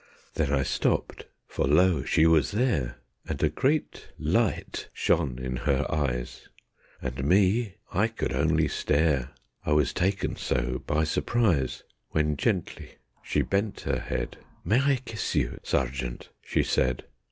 Then I stopped, for lo! she was there, And a great light shone in her eyes. And me! I could only stare, I was taken so by surprise, When gently she bent her head: "May I kiss you, Sergeant?" she said.